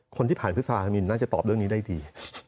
คนที่ผ่านพฤษภามินน่าจะตอบเรื่องนี้ได้ดี